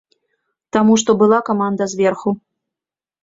Таму што была каманда зверху.